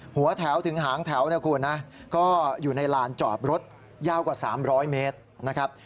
หัวแถวถึงหางแถวนะคุณนะก็อยู่ในลานจอดรถยาวกว่า๓๐๐เมตรนะครับ